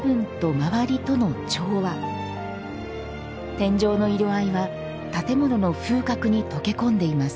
天井の色合いは建物の風格に溶け込んでいます。